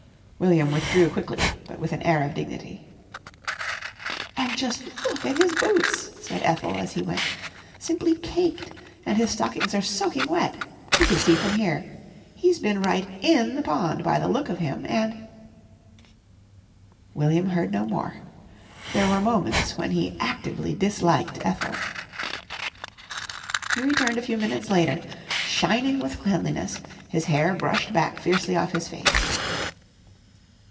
William withdrew quickly but with an air of dignity. "And just look at his boots!" said Ethel as he went. "Simply caked; and his stockings are soaking wet you can see from here. He's been right in the pond by the look of him and " William heard no more. There were moments when he actively disliked Ethel. He returned a few minutes later, shining with cleanliness, his hair brushed back fiercely off his face.